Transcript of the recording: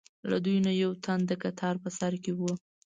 له دوی نه یو تن د کتار په سر کې و.